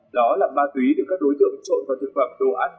đó là ma túy được các đối tượng trộn vào thực phẩm đồ ăn